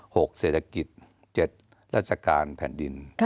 หกเศรษฐกิจเจ็ดราชการแผ่นดิน